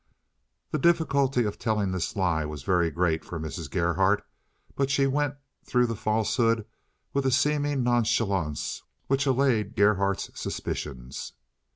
The difficulty of telling this lie was very great for Mrs. Gerhardt, but she went through the falsehood with a seeming nonchalance which allayed Gerhardt's suspicions.